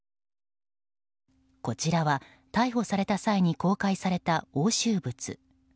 こちらは逮捕された際に公開された押収物。